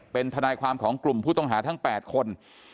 เป็นทนายความของกลุ่มผู้ต้องหาทั้ง๘คน